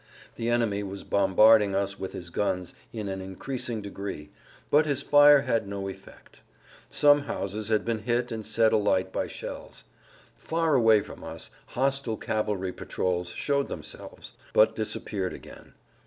The enemy was bombarding us with his guns in an increasing degree, but his fire had no effect. Some houses had been hit and set alight by shells. Far away from us hostile cavalry patrols showed themselves, but disappeared again.